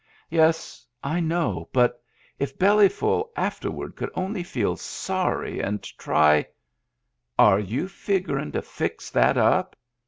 "Yes, I know. But, if Bellyful afterward could only feel sorry and try —" "Are you figuring to fix that up?"